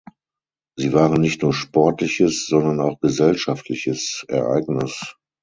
Sie waren nicht nur sportliches, sondern auch gesellschaftliches Ereignis.